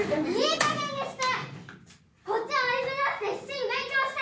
いいかげんにして！